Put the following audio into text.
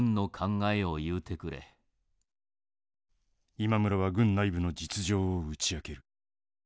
今村は軍内部の実情を打ち明ける。